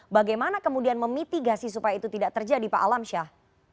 bagaimana kemudian memitigasi supaya itu tidak terjadi pak alam syah